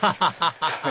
ハハハハ！